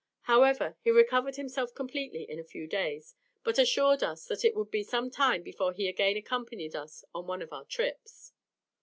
However, he recovered himself completely in a few days, but assured us, that it would be some time before he again accompanied us on one of our trips.